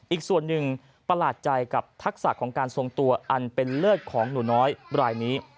อีกส่วนหนึ่งประหลาดใจกับทักษะของการทรงตัวอันเป็นเลิศของหนูน้อยรายนี้